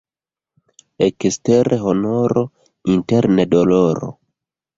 Ekstere honoro, interne doloro.